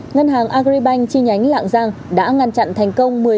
ngân hàng agribank chi nhánh lạng giang đã ngăn chặn thành công